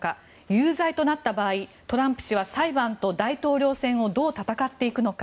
有罪となった場合トランプ氏は裁判と大統領選をどう戦っていくのか。